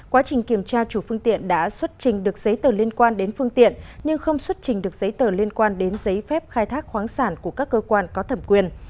quá trình kiểm tra chủ phương tiện đã xuất trình được giấy tờ liên quan đến phương tiện nhưng không xuất trình được giấy tờ liên quan đến giấy phép khai thác khoáng sản của các cơ quan có thẩm quyền